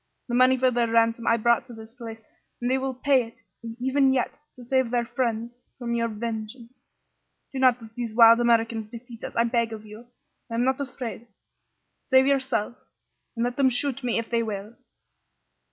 The money for their ransom I brought to this place, and they will pay it even yet to save their friends from your vengeance. Do not let these wild Americans defeat us, I beg of you. I am not afraid. Save yourself, and let them shoot me, if they will!"